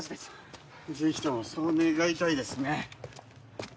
ぜひともそう願いたいですね。